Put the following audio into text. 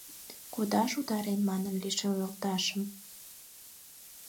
Кодаш утарен манын лишыл йолташым.